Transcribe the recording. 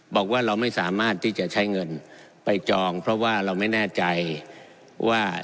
บอกว่าเราไม่สามารถที่จะใช้เงินไปจองเพราะว่าเราไม่แน่ใจว่า